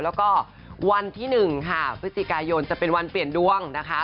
แล้วก็วันที่๑ค่ะพฤศจิกายนจะเป็นวันเปลี่ยนดวงนะคะ